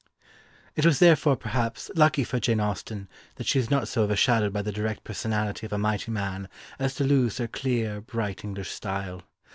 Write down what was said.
It was therefore, perhaps, lucky for Jane Austen that she was not so overshadowed by the direct personality of a mighty man as to lose her clear, bright English style.